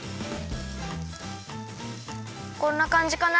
こんなかんじかな。